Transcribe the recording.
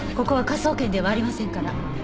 ここは科捜研ではありませんから。